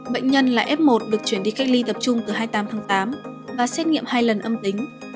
bệnh nhân là f một được chuyển đi cách ly tập trung từ hai mươi tám tháng tám và xét nghiệm hai lần âm tính